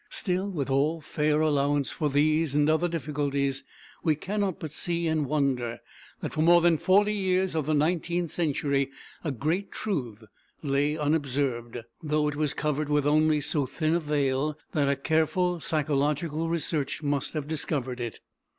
Still, with all fair allowance for these and other difficulties, we cannot but see and wonder that for more than forty years of the nineteenth century a great truth lay unobserved, though it was covered with only so thin a veil that a careful physiological research must have discovered it.